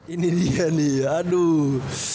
ini dia nih aduh